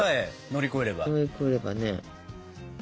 乗り越えればね。